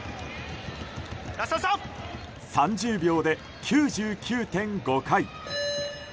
３０秒で９９．５回。